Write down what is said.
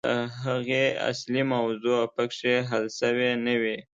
د هغې اصلي موضوع پکښې حل سوې نه وي.